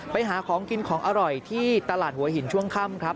ไปหาของกินของอร่อยที่ช่วงค่ำครับ